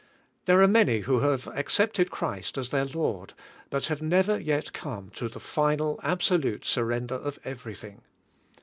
'' There are many who have accepted Christ as their Lord, but have never yet come to the final, abso lute surrender of everything.